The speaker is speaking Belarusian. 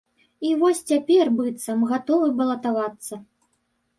І вось цяпер, быццам, гатовы балатавацца.